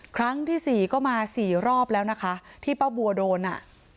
ครั้งที่สี่ก็มาสี่รอบแล้วนะคะที่ป้าบัวโดนอ่ะ